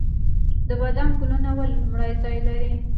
د بادام ګلونه ولې لومړی راځي؟